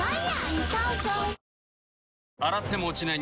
新登場洗っても落ちない